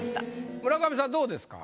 村上さんどうですか？